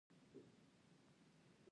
بامیان د افغانستان د اقتصاد برخه ده.